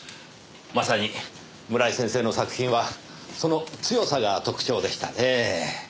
まさに村井先生の作品はその強さが特徴でしたねぇ。